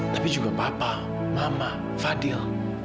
tapi juga papa mama fadil